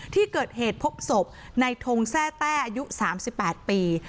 ที่เกิดเหตุพบศพในทงแทร่แต้อายุ๓๘ปี